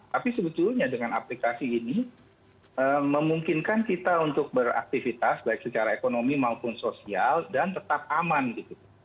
tapi sebetulnya dengan aplikasi ini memungkinkan kita untuk beraktivitas baik secara ekonomi maupun sosial dan tetap aman gitu